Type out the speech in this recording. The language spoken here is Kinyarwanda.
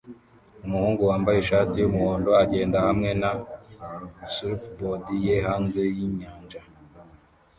Umuhungu wambaye ishati yumuhondo agenda hamwe na surfboard ye hanze yinyanja